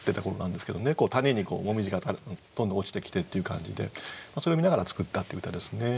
谷に紅葉がどんどん落ちてきてっていう感じでそれを見ながら作ったって歌ですね。